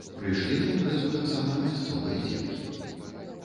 Прыйшлі на імпрэзу таксама мясцовыя дзеткі.